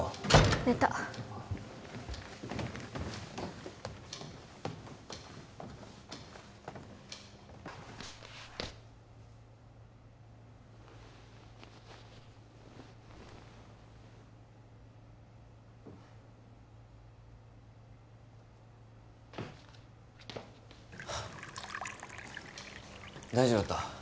寝た大丈夫だった？